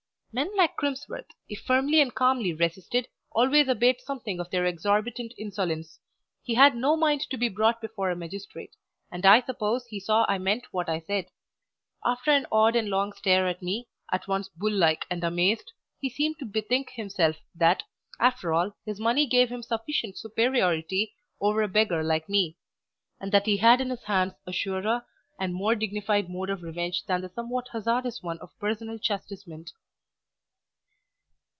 Men like Crimsworth, if firmly and calmly resisted, always abate something of their exorbitant insolence; he had no mind to be brought before a magistrate, and I suppose he saw I meant what I said. After an odd and long stare at me, at once bull like and amazed, he seemed to bethink himself that, after all, his money gave him sufficient superiority over a beggar like me, and that he had in his hands a surer and more dignified mode of revenge than the somewhat hazardous one of personal chastisement.